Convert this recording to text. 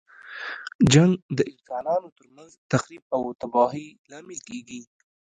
جنګ د انسانانو تر منځ تخریب او تباهۍ لامل کیږي.